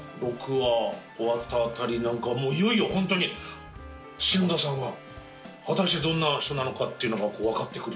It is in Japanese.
６話終わった辺りなんかはいよいよホントに篠田さんは果たしてどんな人なのかっていうのが分かってくるようなそんな感じでしたね。